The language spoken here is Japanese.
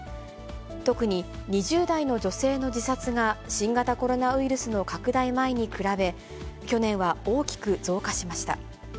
特に２０代の女性の自殺が、新型コロナウイルスの拡大前に比べ、去年は大きく増加しました。